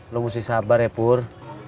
lo mesti sabar ya pur